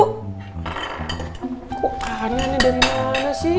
kok aneh aneh dari mana sih